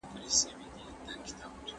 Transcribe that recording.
سرمایه داري د غریبانو وینې څښي.